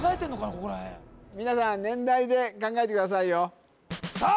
ここらへん皆さん年代で考えてくださいよさあ